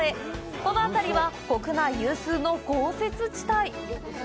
この辺りは国内有数の豪雪地帯。